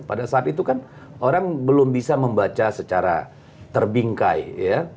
pada saat itu kan orang belum bisa membaca secara terbingkai ya